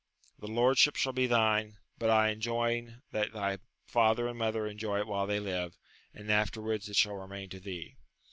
The lordship shall be thine, but I enjoin that thy father and mother enjoy it while they live, and afterwards it shall remain to thee.